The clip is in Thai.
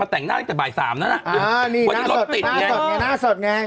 เปิดหน้าสวยให้ประชาชนเห็นหน้าเท่าไหร่